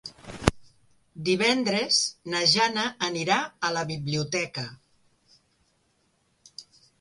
Divendres na Jana anirà a la biblioteca.